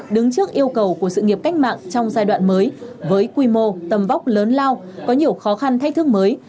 đứng trước yêu cầu của sự nghiệp cách mạng trong giai đoạn mới với quy mô tầm vóc lớn lao có nhiều khó khăn thách thức mới